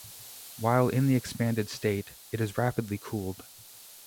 While in the expanded state it is rapidly cooled.